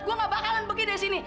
gue gak bakalan pergi dari sini